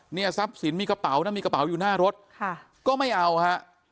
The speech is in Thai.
ทรัพย์สินมีกระเป๋านะมีกระเป๋าอยู่หน้ารถค่ะก็ไม่เอาฮะ